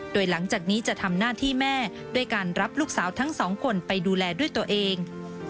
โดยหลังจากนี้จะทำหน้าที่แม่ด้วยการรับลูกสาวทั้งสองคนไปดูแลด้วยตัวเอง